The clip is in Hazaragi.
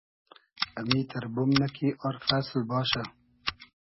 امیتئر بومنۂ کی آر فئسل باشہ